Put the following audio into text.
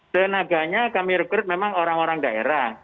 tenaganya kami rekrut memang orang orang daerah